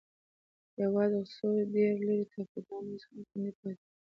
یوازې څو ډېر لرې ټاپوګان اوس هم خوندي پاتې دي.